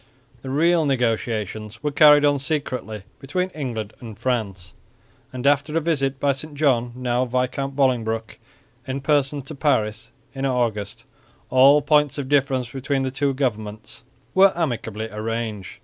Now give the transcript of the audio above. The real negotiations were carried on secretly between England and France; and after a visit by St John, now Viscount Bolingbroke, in person to Paris in August, all points of difference between the two governments were amicably arranged.